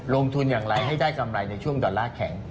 ลงทุนอย่างไรให้ได้กำไรในช่วงดอลลาร์แข็ง